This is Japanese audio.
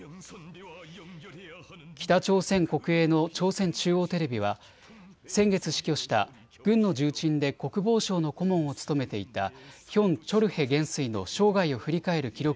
北朝鮮国営の朝鮮中央テレビは先月、死去した軍の重鎮で国防省の顧問を務めていたヒョン・チョルヘ元帥の生涯を振り返る記録